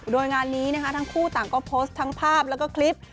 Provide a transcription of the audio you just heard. โดยงานนี้นะคะทั้งคู่ต่างก็โพสต์ทั้งภาพแล้วก็คลิป